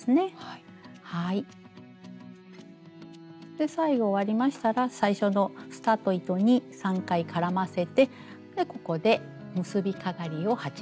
で最後終わりましたら最初のスタート糸に３回絡ませてここで結びかがりを始めます。